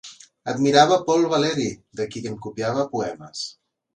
Admirava Paul Valéry de qui en copiava poemes.